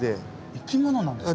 生き物なんですか？